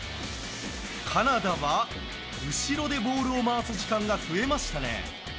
カナダは後ろでボールを回す時間が増えましたね。